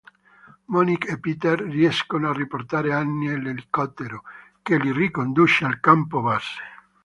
Monique e Peter riescono a riportare Annie all'elicottero, che li riconduce al campo base.